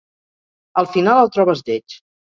Al final el trobes lleig.